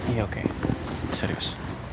iya oke serius